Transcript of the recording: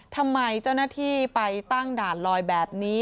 ทำไมเจ้าหน้าที่ไปตั้งด่านลอยแบบนี้